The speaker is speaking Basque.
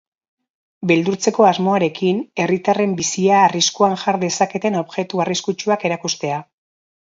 Beldurtzeko asmoarekin, herritarren bizia arriskuan jar dezaketen objektu arriskutsuak erakustea.